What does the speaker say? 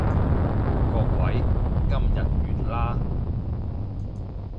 各位，今日完啦